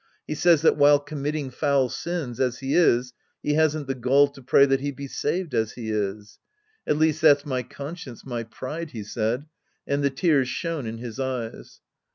He says that while committing foul sins as he is he hasn't the gall to pray that he be saved as he is. " At least that's my conscience, my pride," he said, and the tears shone in his eyes.